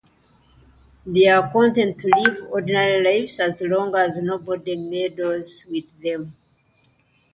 They are content to live ordinary lives as long as nobody meddles with them.